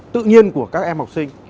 tự nhiên của các em học sinh